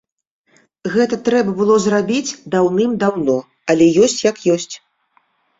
Гэта трэба было зрабіць даўным-даўно, але ёсць як ёсць.